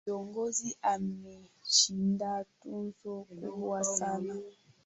Kiongozi ameshinda tuzo kubwa sana